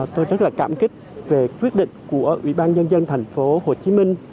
tôi rất là cảm kích về quyết định của ủy ban nhân dân thành phố hồ chí minh